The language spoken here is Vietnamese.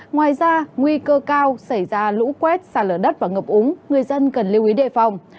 ngoài ra nguy cơ cao xảy ra lũ quét xa lở đất và ngập úng người dân cần lưu ý đề phòng